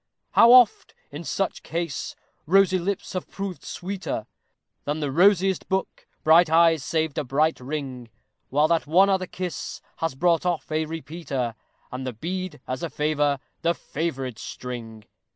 How oft, in such case, rosy lips have proved sweeter Than the rosiest book, bright eyes saved a bright ring; While that one other kiss has brought off a repeater, And a bead as a favor the favorite string.